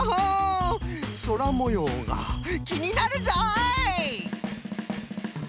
そらもようがきになるぞい！